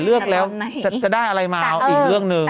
เลือกแล้วจะได้อะไรมาเอาอีกเรื่องหนึ่ง